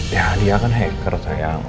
ya dia kan hacker saya